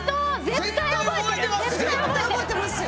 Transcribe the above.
絶対覚えてますよ。